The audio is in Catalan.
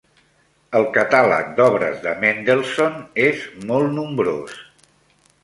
El catàleg d'obres de Mendelssohn és molt nombrós.